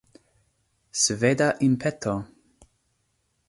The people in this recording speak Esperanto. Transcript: Sveda impeto!